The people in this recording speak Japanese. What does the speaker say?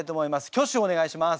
挙手をお願いします。